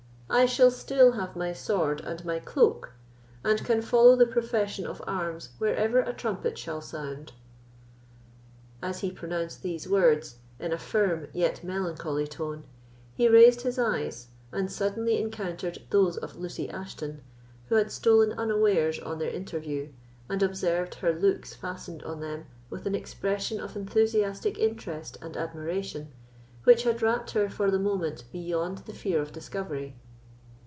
I shall still have my sword and my cloak, and can follow the profession of arms wherever a trumpet shall sound." As he pronounced these words, in a firm yet melancholy tone, he raised his eyes, and suddenly encountered those of Lucy Ashton, who had stolen unawares on their interview, and observed her looks fastened on them with an expression of enthusiastic interest and admiration, which had wrapt her for the moment beyond the fear of discovery.